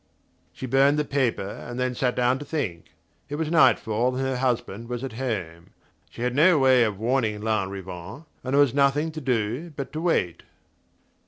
She burned the paper and then sat down to think. It was nightfall, and her husband was at home... She had no way of warning Lanrivain, and there was nothing to do but to wait...